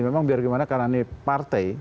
memang biar gimana karena ini partai